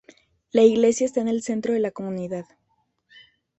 La iglesia está en el centro de la comunidad.